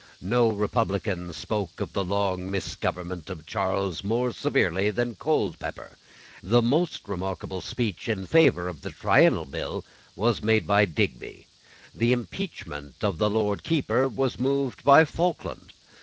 No republican spoke of the long misgovernment of Charles more severely than Colepepper. The most remarkable speech in favour of the Triennial Bill was made by Digby. The impeachment of the Lord Keeper was moved by Falkland.